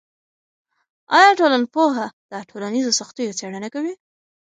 آیا ټولنپوهنه د ټولنیزو سختیو څیړنه کوي؟